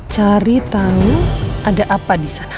cari tahu ada apa di sana